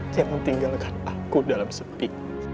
jangan tinggalkan aku dalam sepi